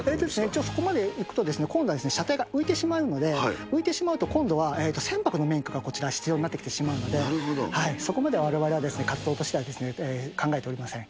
一応そこまで行くと今度は車体が浮いてしまうので、浮いてしまうと、今度は船舶の免許がこちら、必要になってきてしまうので、そこまでわれわれは、活動としては考えておりません。